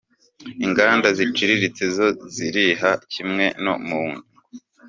Inganda ziciriritse zo ziriha kimwe no mu ngo.